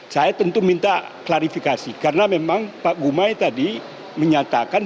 saya tentu minta klarifikasi karena memang pak gumai tadi menyatakan